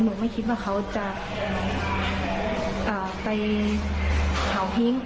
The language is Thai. หนูไม่คิดว่าเขาจะเอ่อไปเผาพิ้ง